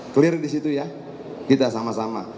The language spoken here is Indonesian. clear di situ ya kita sama sama